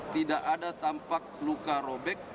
tidak ada tampak luka robek atau memar